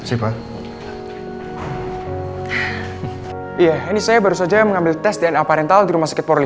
iya ini saya baru saja mengambil tes dna parental di rumah sakit polri